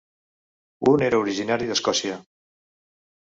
Un era originari d'Escòcia.